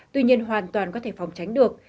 tuy nhiên hoàn toàn có thể phòng tránh được